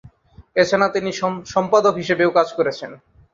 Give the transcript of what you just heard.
এছাড়া তিনি সম্পাদক হিসেবেও কাজ করেছেন।